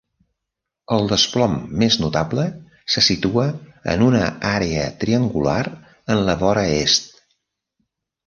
El desplom més notable se situa en una àrea triangular en la vora est.